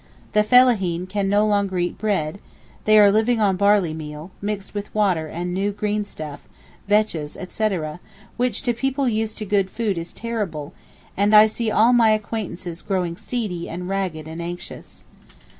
The fellaheen can no longer eat bread, they are living on barley meal, mixed with water and new green stuff, vetches etc., which to people used to good food is terrible, and I see all my acquaintances growing seedy and ragged and anxious.